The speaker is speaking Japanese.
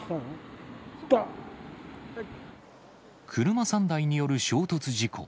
車３台による衝突事故。